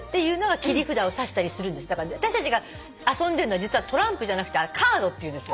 だから私たちが遊んでんのは実はトランプじゃなくてあれカードって言うんですよ。